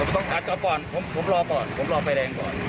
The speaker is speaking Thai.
ผมก็ต้องกลับจอดก่อนมันกลับรอไฟแดงก่อน